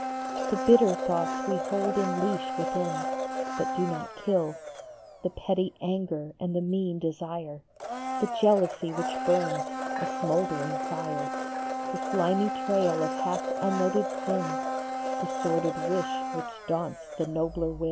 " The bitter thoughts we hold in leash within But do not kill ; The petty anger and the mean desire, The jealousy which burns, a smouldering fire, The slimy trail of half unnoted sin, The sordid wish which daunts the nobler will.